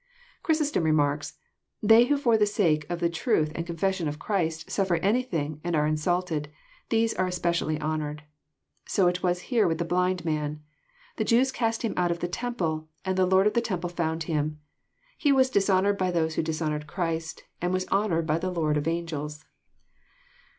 Chrysostom remarks :" They who for the sake of the truth and confession of Christ suffer anything and are insulted, these are especially honoured. So it was here with the blind man. The Jews cast him out of the temple, and the Lord of the tem ple found him. He was dishonoured by those who dishonoured Christ, and was honoured by the Lord of angels."